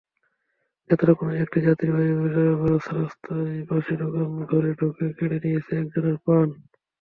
নেত্রকোনায় একটি যাত্রীবাহী বাস রাস্তার পাশে দোকান ঘরে ঢুকে কেড়ে নিয়েছে একজনের প্রাণ।